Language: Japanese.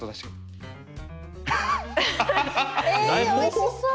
えおいしそう。